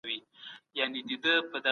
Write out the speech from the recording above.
کمپيوټر کتاب چاپوي.